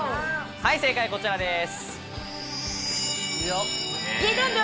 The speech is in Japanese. はい、正解こちらです。